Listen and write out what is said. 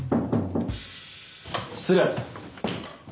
失礼。